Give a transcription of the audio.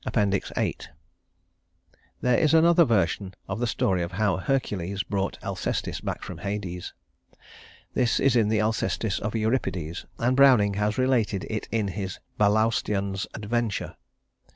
VIII There is another version of the story of how Hercules brought Alcestis back from Hades. This is in the Alcestis of Euripides, and Browning has related it in his "Balaustion's Adventure."